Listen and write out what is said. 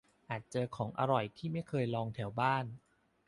- อาจเจอของอร่อยที่ไม่เคยลองแถวบ้าน